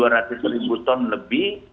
dua ratus ribu ton lebih